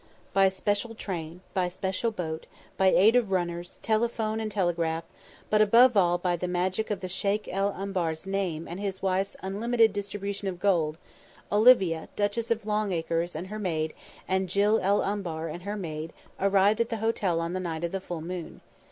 By special train, by special boat, by aid of runners, telephone and telegraph, but above all by the magic of the Sheikh el Umbar's name and his wife's unlimited distribution of gold, Olivia Duchess of Longacres and her maid and Jill el Umbar and her maid arrived at the hotel on the night of the full moon.